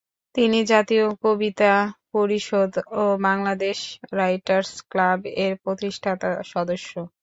তিনি জাতীয় কবিতা পরিষদ ও বাংলাদেশ রাইটার্স ক্লাব-এর প্রতিষ্ঠাতা সদস্য।